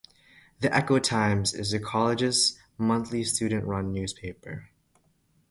"The Echo Times" is the college's monthly student-run newspaper.